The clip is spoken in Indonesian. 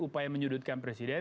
upaya menyudutkan presiden